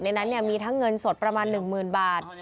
ในนั้นมีทั้งเงินสดประมาณหนึ่งหมื่นบาท